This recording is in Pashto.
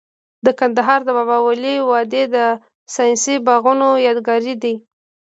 د کندهار د بابا ولی وادي د ساساني باغونو یادګار دی